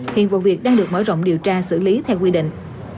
hiện vụ việc đang được mở rộng điều tra xử lý theo quy định